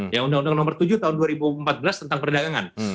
ya undang undang nomor tujuh tahun dua ribu empat belas tentang perdagangan